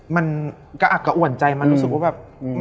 มันกระอักกระอ่วนใจมันรู้สึกว่าแบบ